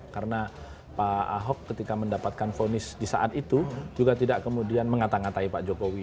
karena pak ahok ketika mendapatkan vonis di saat itu juga tidak kemudian mengatang ngatai pak jokowi